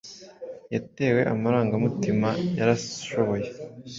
Yatewe amarangamutima yarashoboye